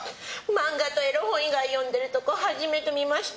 漫画とエロ本以外読んでるとこ初めて見ました。